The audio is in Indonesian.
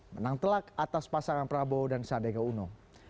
menang telak atas pasangan prabowo dan sandiaga uno